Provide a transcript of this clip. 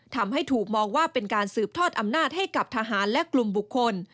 ทำให้ถูกมองว่าเป็นการสืบทอดอำนาจให้กับทหารและกลุ่มบุคคล